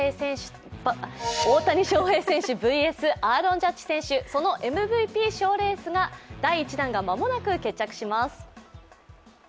大谷翔平選手ＶＳアーロン・ジャッジ選手そのＭＶＰ賞レースの第１弾が間もなく決着します。